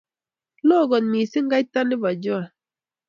loo kot mising kaitanibo Joan